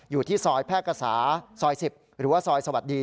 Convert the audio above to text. อยู่ที่ซอยแพร่กษาซอย๑๐หรือว่าซอยสวัสดี